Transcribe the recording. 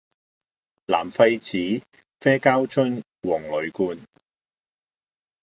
藍廢紙啡膠樽黃鋁罐